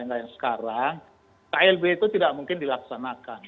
yang lain lain sekarang klb itu tidak mungkin dilaksanakan